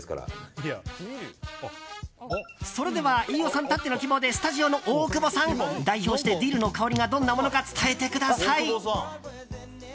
それでは飯尾さんたっての希望でスタジオの大久保さん代表して、ディルの香りがどんなものか伝えてください。